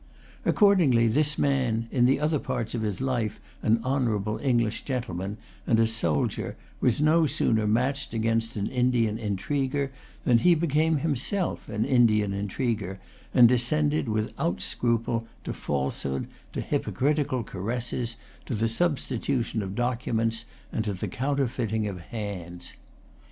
Accordingly this man, in the other parts of his life an honourable English gentleman and a soldier, was no sooner matched against an Indian intriguer, than he became himself an Indian intriguer, and descended, without scruple, to falsehood, to hypocritical caresses, to the substitution of documents, and to the counterfeiting of hands.